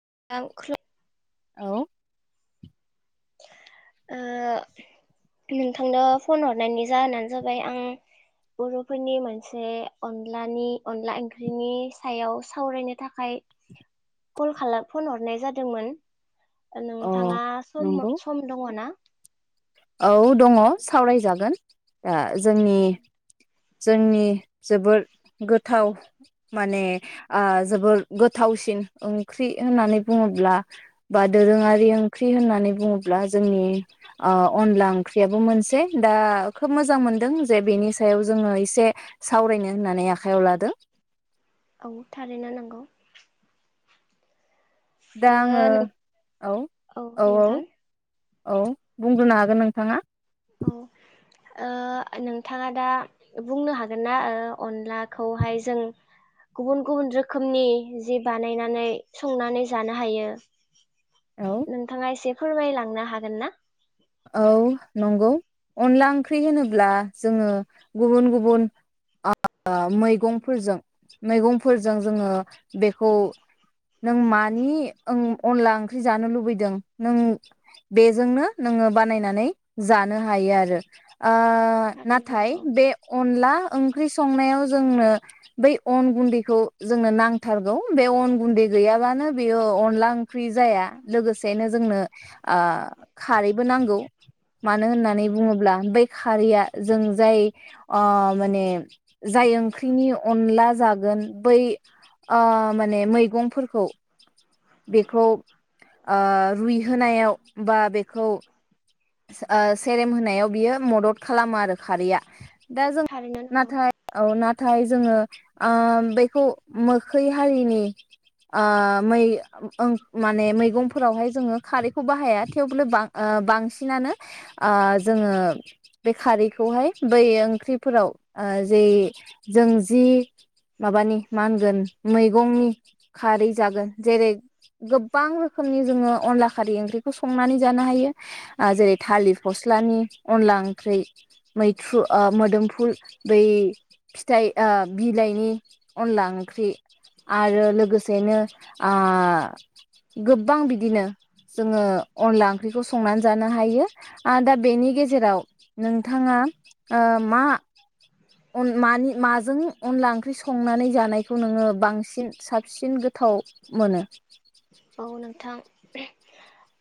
[unintelligible] औ। ओ नोंथांनो फन हरनायनि जाहोनानो जाबाय आं बर'फोरनि मोनसे अनलानि अनला ओंख्रिनि सायाव सावरायनो थाखाय कल खालाम फन हरनाय जादोंमोन। अ नोंथाङा सम नंगौ सम दङ ना? औ दङ सावरायजागोन आ जोंनि जोंनि जोबोद गोथाव माने आ जोबोर गोथावसिन ओंख्रि होननानै बुङोब्ला बा दोरोंङारि ओंख्रि होननानै बुङोब्ला जोंनि अ अनला ओंख्रियाबो मोनसे। दा खोब मोजां मोनदों जे बेनि सायाव जोंङो एसे सावरायनो होननानै आखायाव लादों। औ थारैनो नांगौ दा आंङो औ औ औ। औ बुंग्रोनो हागोन नोंथांङा? औ ओ नोंथांङा दा बुंनो हागोन ना ओ अनलाखौहाय जों गुबुन गुबुन रोखोमनि जि बानायनानै संनानै जानो हायो औ नोंथांङा एसे फोरमायलांनो हागोन ना? औ नंगौ। अनला ओंख्रि होनोब्ला जोंङो गुबुन गुबुन ओ मैगंफोरजों मैगंफोरजों जोंङो बेखौ नों मानि अनला ओंख्रि जानो लुबैदों नों बेजोंनो नोंङो बानायनानै जानो हायो आरो। अ थारैनो नाथाय नंगौ बे अनला ओंख्रि संनायाव जोंनो बै अन गुन्दैखौ जोंनो नांथारगौ बे अन गुन्दै गैयाबानो बेयो अनला ओंख्रि जाया लोगोसेनो जोंनो आ खारैबो नांगौ मानो होननानै बुङोब्ला बै खारैया जों जाय आ माने जाय ओंख्रिनि अनला जागोन बै आ माने मैगंफोरखौ बेखौ आ रुइहोनायाव बा बे खौ आ सेरेम होनायाव बियो मदद खालामो आरो खारैया। दा जों थारैनो नंगौ नाथाय औ न नाथाय जोंङो आ बेखौ मोखै हारिनि आ मै ओं माने मैगंफोरावहाय जोंङो खारैखौ बाहाया थेवबोल आ बांसिन बांसिनानो आ जोंङो बे खारैखौहाय बै ओंख्रिफोराव आ जे जों जि माबानि मा होनगोन मैगंनि खारै जागोन जेरै गोबां रोखोमनि जोंङो अनला खारै ओंख्रिखौ संनानै जानो हायो आजेरै थालिर फस्लानि अनला ओंख्रि मैथ्रु आ मोदोमफुल बै फिथाइ आ बिलाइनि अनला ओंख्रि आरो लोगोसेनो आ गोबां बिदिनो जोंङो अनला ओंख्रिखौ संनानै जानो हायो आरोदा बेनि गेजेराव नोंथांङा आ मा मानि माजों अनला ओंख्रि संनानै जानायखौ नोंङो बांसिन साबसिन गोथाव मोनो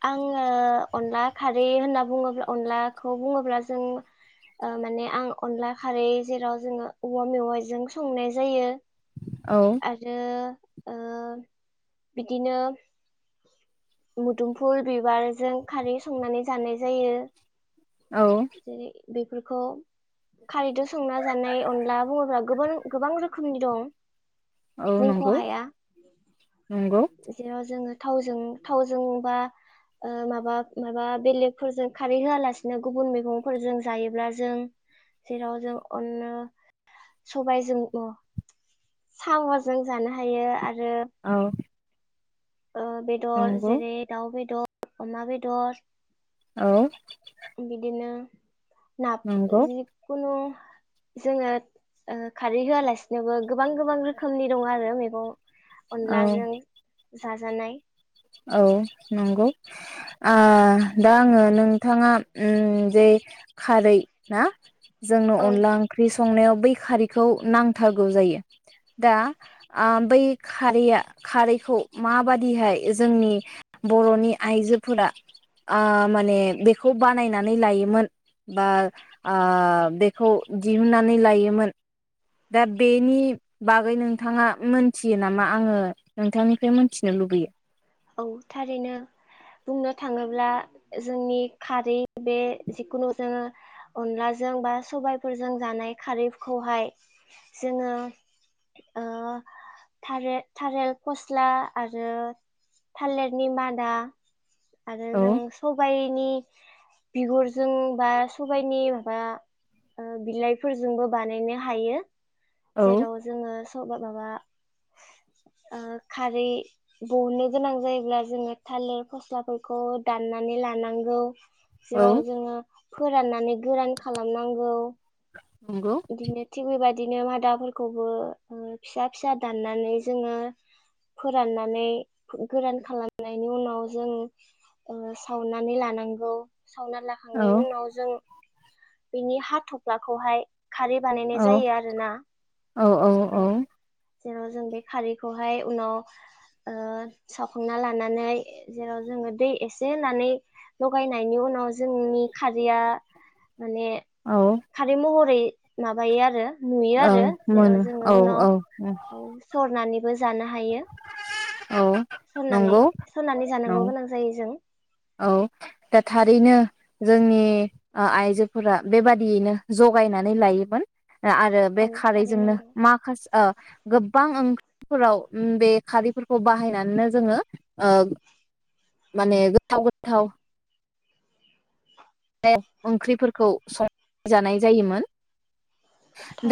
आंङो अनला खारै होनना बुङोब्ला अनलाखौ बुङोब्ला जों आ माने आं अनला खारै जेराव जोंङो औवा मेवाइजों संनाय जायो औ आरो आ बिदिनो मोदुमफुल बिबारजों खारै संनानै जानाय जायो औ जेरै बेफोरखौ खारैद' संना जानाय अनला बुङोब्ला गोबां गोबां रोखोमनि दं औ बुंख' नंगौ हाया नंगौ जेराव जोङो थावजों थावजों बा आ माबा माबा बेलेगफोरजों खारै होआलासिनो गुबुन मैगंफोरजों जायोब्ला जों जेराव जों अनो सबायजोंओ साम'जों जानो हायो आरो औ ओ बेदर नंगौ जेरै दाउ बेदर अमा बेदर औ बिदिनो नाफ नंगौ जिखुनु जोङो ओ खारै होआलासिनोबो गोबां गोबां रोखोमनि दं आरो मैगं औ अनलाजों जाजानाय औ नंगौ आ दा आङो नोंथाङा उम जे खारै ना जोंनो औ अनला ओंख्रि संनायाव बै खारैखौ नांथारगौ जायो दा आ बै खारैया खारैखौ माबादिहाय जोंनि बर'नि आइजोफोरा आ माने बेखौ बानायनानै लायोमोन बा आ बेखौ दिहुननानै लायोमोन दा बेनि बागै नोंथाङा मोनथियो नामा आङो नोंथांनिफ्राय मोनथिनो लुबैयो औ थारैनो बुंनो थाङोब्ला जोंनि खारै बे जिखुनु जोङो अनलाजों बा सबायफोरजों जानाय खारैखौहाय जोङो ओ थारेर थालेर फस्ला आरो थालिरनि मादा आरो औ जों सबायनि बिगुरजों बा सबायनि माबा ओ बिलाइफोरजोंबो बानायनो हायो औ जेराव जोङो सबा माबा आ खारि दिहुन्नो गोनां जायोब्ला जोङो थालिर फस्लाफोरखौ दाननानै लानांगौ जेराव औ जोङो फोराननानै गोरान खालामनांगौ नंगौ। बिदिनो थिग बेबायदि बिदिनो मादाफोरखौबो ओ फिसा फिसा दाननानै जोङो फोराननानै गोरान खालामनायनि उनाव जों ओ सावनानै लानांगौ सावनानै औ लाखांनायनि उनाव जों बिनि हाथफ्लाखौहाय खारै बानायनाय औ जायो आरो ना औ औ ओ औ जेराव जों बे खारैखौहाय उनाव ओ सावखांना लानानै जेराव जोङो दै एसे होनानै लगायनायनि उनाव जोंनि खारैया माने औ खारै महरै माबायो आरो। नुयो औ आरो जेराव मोनो जोङो औ उनाव औ औ सरनानै बो जानो हायो। औ सरनानै नंगौ सरनानै औ जानांगौ गोनां जायो जों। औ दा थारैनो जोंनि ओ आइजोफोरा बेबादियैनो जगायनानै लायोमोन। आरो बे औ थारैनो खारैजोंनो नंगौ माखास ओ गोब्बां ओंख्रिफोराव उम बे खारैफोरखौ बाहायनानैनो जोङो ओ माने थाव गोथाव। बे ओंख्रिफोरखौ सं जानाय जायोमोन।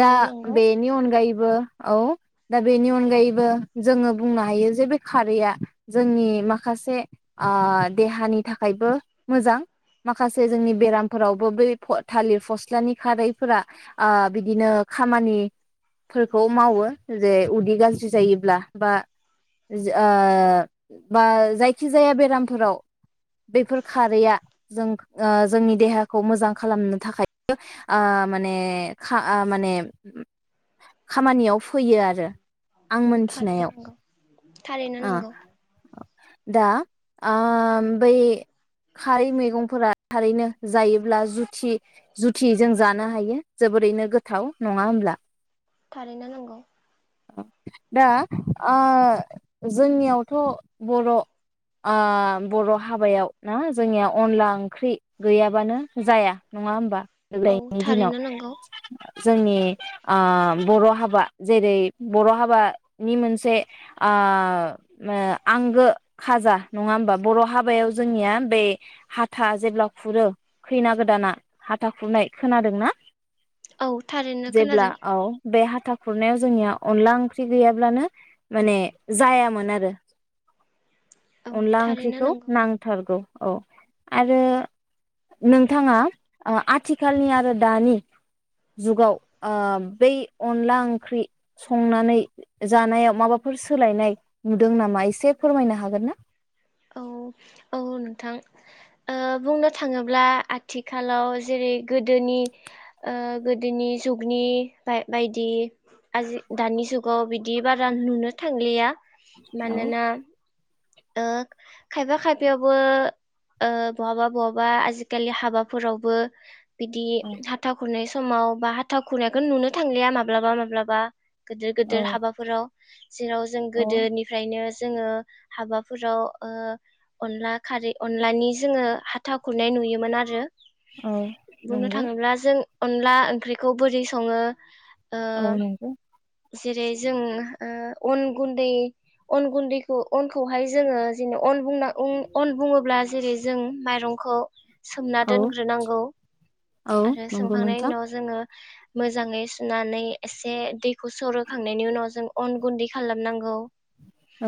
दा नांगौ बेेनि अनगायै बो औ दा बेनि अनगायैबो जोङो बुंनो हायो जे बे खारैआ जोंनि माखासे आ देहानि थाखायबो मोजां माखासे जोंनि बेरामफोरावबो बै थालिर फस्लानि खारैफोरा ओ बिदिनो खामानिफोरखौ मावो जे उदै गाज्रि जायोब्ला बा बा जायखि जाया बेरामफोराव बेफोर खारैया जों ओ जोंनि देहाखौ मोजां खालामनो थाखाय ओ माने ओ माने खामानियाव फैयो आरो आं थारैनो मोनथिनायाव नांगौ थारैनो ओ। नांगौ दा ओ बै खारै मैगंफोरा थारैनो जायोब्ला जुथि जुथि जों जानो हायो जोबोरैनो गोथाव नङा होमब्ला? थारैनो नंगौ। दा ओ जोंनियावथ' बर' ओ बर' हाबायाव ना जोंनिया अनला ओंख्रि गैयाबानो जाया नङा होमबा? औ देग्लायनि दिनाव थारैनो नांगौ जोंनि ओ बर' हाबा जेरै बर' हाबानि मोनसे ओ आंगो खाजा नङा होमबा बर' हाबायाव जोंनिया बे हाथा जेब्ला खुरो खैना गोदाना हाथा खुरनाय खोनादोंना? औ थारैनो जेब्ला खोनादों औ बे हाथा खुरनायाव जोंनिया अनला ओंख्रि गैयाब्लानो माने जायामोन आरो। औ अनला थारैनो ओंख्रिखौ नांगौ नांथारगौ। औ आरो नोंथाङा ओ आथिखालनि आरो दानि जुगाव ओ बै अनला ओंख्रि संनानै जानायाव माबाफोर सोलायनाय नुदों नामा एसे फोरमायनो हागोन ना? औ औ नोंथां ओ बुंनो थाङोब्ला आथिखालाव जेरै गोदोनि ओ गोदोनि जुगनि बाय बायदि दानि जुगाव बिदि बारा नुनो थांलिया। औ मानोना ओ खायफा खायफायावबो ओ बहाबा बहाबा आजिखालि हाबाफोरावबो बिदि हाथा खुरनाय समाव बा ह [unintelligible] नुनो थांलिया माब्लाबा माब्लाबा गिदिर औ गिदिर हाबाफोराव जेराव जों औ गोदोनिफ्रायनो जोङो हाबाफोराव ओ अनला खारै अनलानि जोङो हाथाव खुरनाय नुयोमोन आरो औ बुंनो नंगौ थाङोब्ला जों अनला ओंख्रिखौ बोरै सङो औ ओ नंगौ जेरै जों अन गुन्दै अन गुन्दैखौ अनखौहाय जोङो ज अनना अन बुङोब्ला जेरै जों माइरंखौ सोमना औ दोनग्रोनांगौ औ आरो नंगौ सोमखांनायनि नोंथां उनाव जोङो मोजाङै सुनानै नानै एसे दै खौ सरोखांनायनि उनाव जों अन गुन्दै खालामनांगौ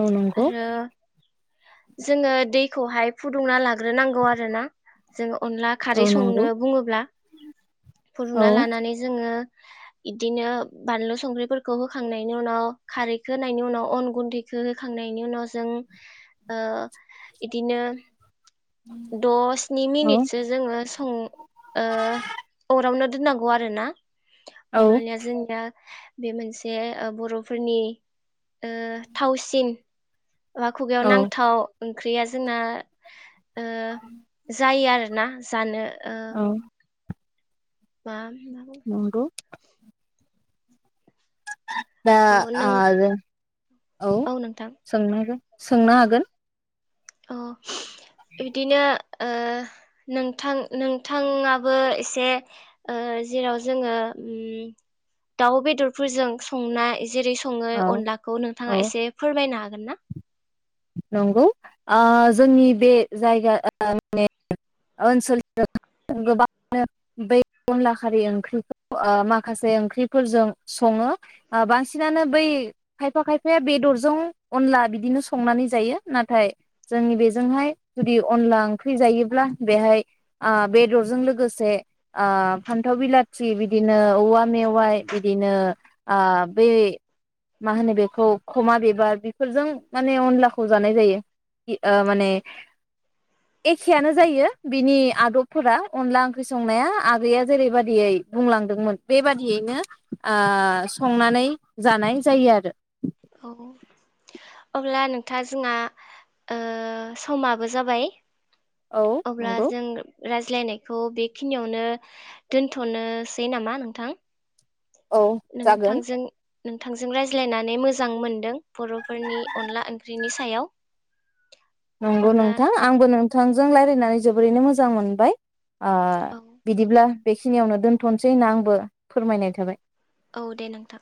औ नंगौ आरो जोङो दैखौहाय फुदुंना लाग्रोनांगौ आरोना जोङो अनला खारै औ संनो नंगौ बुङोब्ला फदुना औ लानानै जोङो इदिनो बानलु संख्रै फोरखौ होखांनायनि उनाव खारैखौ होनायनि उनाव अन गुन्दैखौ होखांनायनि उनाव जों इदिनो द स्नि औ मिनिटसो जोङो [unintelligible] ओ अरावनो दोननांगौ आरो ना औ अब्लानिया जोंनिया बे मोनसे बर'फोरनि ओ थावसिन एबा खुगायाव औ नांथाव ओंख्रिया जोंना जायो आरो ना जानो ओ औ [unintelligible] नंगौ दा औ नों आरो औ [unintelligible] सोंनो हागोन अ बिदिनो ओ नोंथां नोंथाङाबो एसे जेराव जोङो दाउ बेदरफोरजों संना जेरै सङो औ अनलाखौ नोंथाङा औ एसे फोरमायनो हागोन हागोन ना नंगौ ओ जोंनि बे जायगा ओ माने ओनसोलाव गोबाङानो बै अनला खारि ओंख्रिखौ ओ माखासे ओंख्रिफोरजों सङो बांसिनानो बै खायफा खायफाया बेदरजों अनला बिदिनो स संनानै जायो नाथाय जोंनि बेजोंहाय जुदि अनला ओंख्रि जायोब्ला बेहाय ओ बेदरजों लोगोसे ओ फान्थाव बिलाथि बिदिनो औवा मेवाय बिदिनो ओ बै मा होनो बेखौ खमा बिबार बेफोरजों माने अनलाखौ जानाय जायो ए माने एखेयानो जायो बिनि आदबफोरा अनला ओंख्रि संनाया आगैया जेरैबादियै बुंलांदोंमोन बेबादियैनो ओ संनानै जानाय जायो आरो औ अब्ला नोंथाङा जोंहा ओ समाबो जाबाय औ अब्ला नंगौ जों रायज्लायनायखौ बेखिनियावनो दोनथ'नोसै नामा नोंथां औ जागोन नोंथांजों नोंथांजों रायज्लायनानै मोजां मोनदों बर'फोरनि अनला ओंख्रिनि सायाव नंगौ अब्ला नोंथां आंबो नोंथांजों रायलायनानै जोबोरैनो मोजां मोनबाय ओ बिदिब्ला बेखिनियावनो दोन्थ'नोसै होनना आंबो फोरमायनाय थाबाय औ दे नोंथां